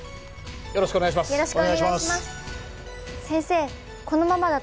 よろしくお願いします。